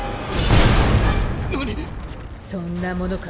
何⁉そんなものか。